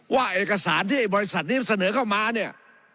ว่าเอกสารที่บริษัทนี้เสนอเข้ามาเนี่ย